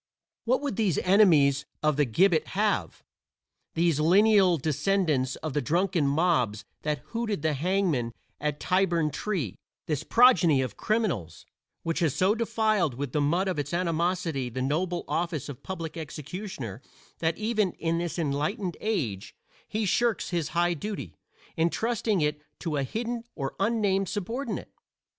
What would these enemies of the gibbet have these lineal descendants of the drunken mobs that hooted the hangman at Tyburn Tree; this progeny of criminals, which has so defiled with the mud of its animosity the noble office of public executioner that even "in this enlightened age" he shirks his high duty, entrusting it to a hidden or unnamed subordinate?